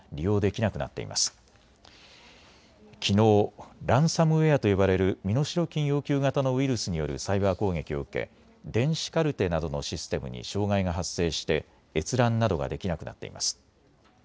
きのう、ランサムウエアと呼ばれる身代金要求型のウイルスによるサイバー攻撃を受け、電子カルテなどのシステムに障害が発生して閲覧などができなくなっています。